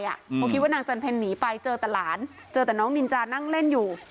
เพราะคิดว่านางจันเพ็ญหนีไปเจอแต่หลานเจอแต่น้องนินจานั่งเล่นอยู่